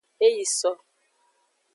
E yi so.